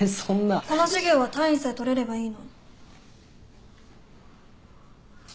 この授業は単位さえ取れればいいの。